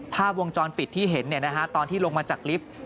ภาพวงจรปิดที่เห็นตอนที่ลงมาจากลิฟต์